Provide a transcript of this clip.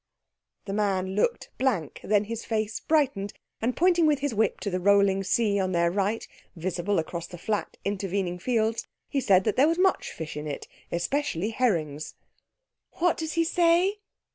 _" The man looked blank; then his face brightened, and pointing with his whip to the rolling sea on their right, visible across the flat intervening fields, he said that there was much fish in it, especially herrings. "What does he say?"